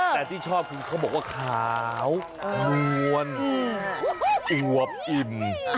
แต่ที่ชอบคือเขาบอกว่าขาวนวลอวบอิ่ม